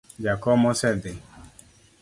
Jakom osedhi